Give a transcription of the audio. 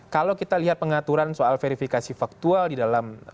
kalau kita lihat pengaturan soal verifikasi faktual di dalam